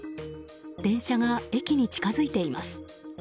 電車が駅に近づいています。